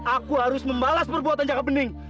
aku harus membalas perbuatan jaka bening